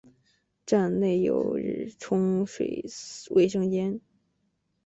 站内有冲水卫生间。